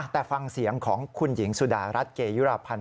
แต่ฟังเสียงของคุณหญิงสุดารัฐเกยุราพันธ์